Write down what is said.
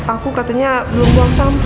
aku katanya belum buang sampah